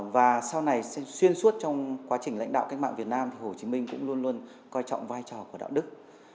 và sau này xuyên suốt trong quá trình lãnh đạo cách mạng việt nam thì hồ chí minh cũng luôn luôn coi trọng vai trò của đạo đức